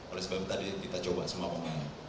oleh sebab itu tadi kita coba semua pemain